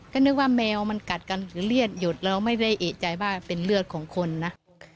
ก็นึกว่าแมวมันกัดกันหรือเลือดหยุดเราไม่ได้เอกใจว่าเป็นเลือดของคนนะ